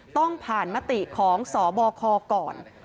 ต้องผ่านมติของสบคก่อน